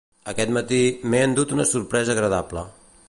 Aquest matí, m’he endut una sorpresa agradable.